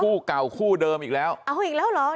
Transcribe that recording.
คู่เก่าคู่เดิมอีกแล้วเอาอีกแล้วเหรอ